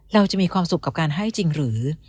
เราจะมีความสุขกับการให้จริงหรือ